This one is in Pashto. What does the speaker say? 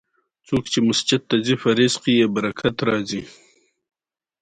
دوهم شرط د ځینو افرادو لاسونو ته د وسایلو راتلل دي